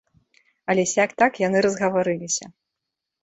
Але сяк-так яны разгаварыліся.